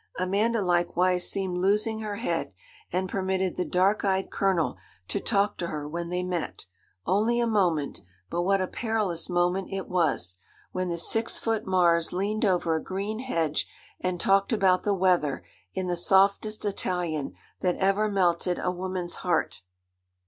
Amanda likewise seemed losing her head, and permitted the dark eyed Colonel to talk to her when they met; only a moment but what a perilous moment it was! when this six foot Mars leaned over a green hedge and talked about the weather in the softest Italian that ever melted a woman's heart.